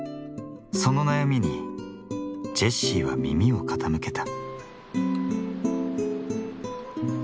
その悩みにジェシィは耳を傾けた。